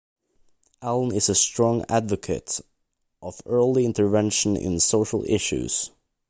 Allen is a strong advocate of early intervention in social issues.